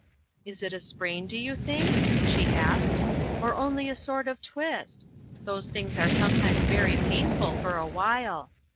" Is it a sprain, do you think ?" she asked, "or only a sort of twist? Those things are sometimes very painful for awhile.